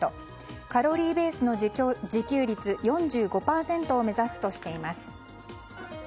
カロリーベースの自給率４５％を目指すとしています。